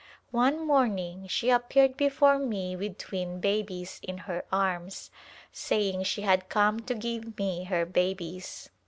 One morning she appeared before me with twin babies in her arms, saying she had come to give me her babies.